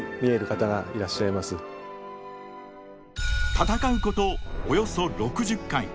戦うことおよそ６０回。